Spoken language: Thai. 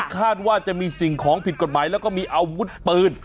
คาดว่าจะมีสิ่งของผิดกฎหมายแล้วก็มีอาวุธปืน